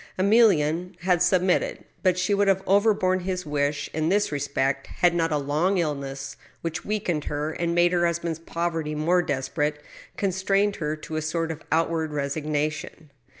Emiiienne had submitted, but she would have overborne his wish in this respect had not a long illness, which weakened her, and made her husband's poverty more desperate, constrained her to a sort of outward resignation.